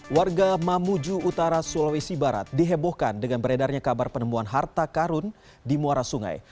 warga mamuju utara sulawesi barat dihebohkan dengan beredarnya kabar penemuan harta karun di muara sungai